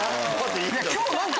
今日何か。